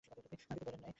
আগে তো বলেন নাই!